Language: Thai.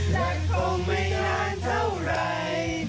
และคงไม่นานเท่าไหร่